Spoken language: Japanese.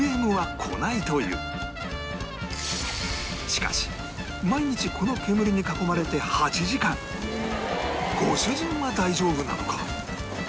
しかし毎日この煙に囲まれて８時間ご主人は大丈夫なのか？